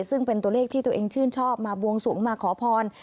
ซึ่งเป็นตัวเลขที่ตัวเองชื่นชอบมาบวงสวงมาขอพร